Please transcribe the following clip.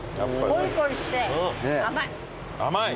コリコリして甘い。